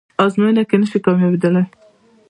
ازموینه کې نشئ کامیابدلی